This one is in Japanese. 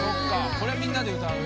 これはみんなで歌うやつだ」